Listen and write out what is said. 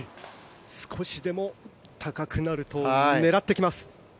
少しでも高くなると狙ってきます。